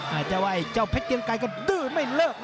อาจจะว่าไอ้เจ้าเพชรเกียงไกรก็ดื้อไม่เลิก